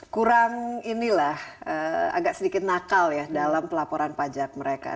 kurang inilah agak sedikit nakal ya dalam pelaporan pajak mereka